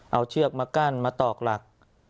เอาเชือกมากั้นมาตอกหลัก